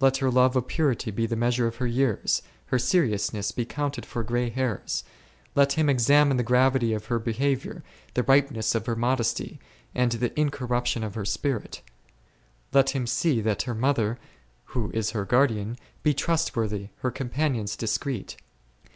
Let her love of purity be the measure of her years, her seriousness be counted for grey hairs ; let him examine the gravity of her be haviour, the ripeness of her modesty, and the incor ruption of her spirit ; let him see that her mother, who is her guardian, be trustworthy, her companions discreet.